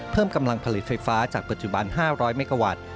เพิ่มกำลังผลิตไฟฟ้าจากปัจจุบัน๕๐๐เมกาวัตต์